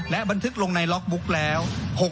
และบันทึกลงในล็อกบุ๊คแล้ว